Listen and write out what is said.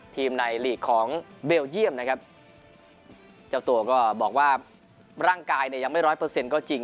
ในหลีกของเบลเยี่ยมนะครับเจ้าตัวก็บอกว่าร่างกายเนี่ยยังไม่ร้อยเปอร์เซ็นต์ก็จริง